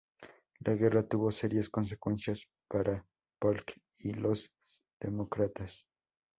La guerra tuvo serias consecuencias para Polk y los demócratas.